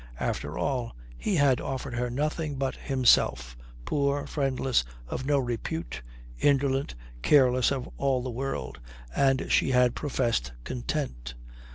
After all, he had offered her nothing but himself, poor, friendless, of no repute, indolent, careless of all the world and she had professed content.